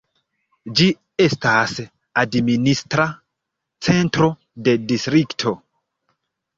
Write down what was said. Ĝi estas administra centro de distrikto.